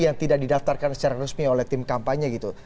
yang tidak didaftarkan secara resmi oleh tim kampanye gitu